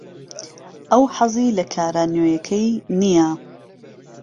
ئەو حەزی لە کارە نوێیەکەی نییە.